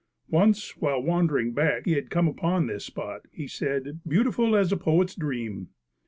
Once, while wandering back, he had come upon this spot, he said, "Beautiful as a poet's dream."